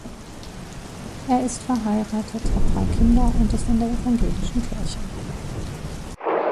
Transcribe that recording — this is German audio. Er ist verheiratet, hat drei Kinder und ist in der evangelischen Kirche.